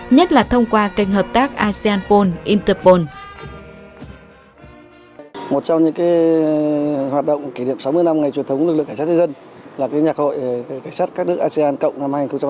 nhất là thông qua kênh hợp tác aseanpol interpol